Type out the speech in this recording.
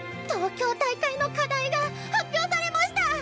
東京大会の課題が発表されマシタ！